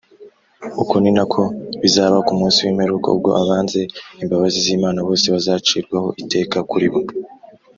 uko ni nako bizaba ku munsi w’imperuka, ubwo abanze imbabazi z’imana bose bazacirwaho iteka kuri bo,